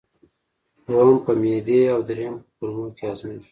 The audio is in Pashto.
دویم په معدې او دریم په کولمو کې هضمېږي.